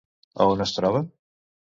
A on es troba?